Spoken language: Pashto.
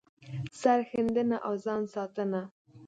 سر ښندنه او ځان ساتنه